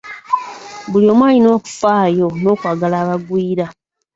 Buli omu alina okufaayo n'okwagala abagwira.